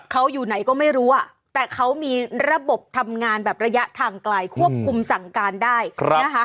เขาอยู่ไหนก็ไม่รู้อ่ะแต่เขามีระบบทำงานแบบระยะทางไกลควบคุมสั่งการได้นะคะ